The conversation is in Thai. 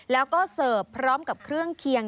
แล้วก็เสิร์ฟพร้อมกับเครื่องเคียง